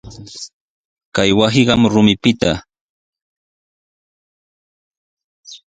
Kay wasiqa rumipitami.